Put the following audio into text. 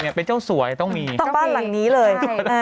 มันต้องมีต้องว่านหลังนี้เลย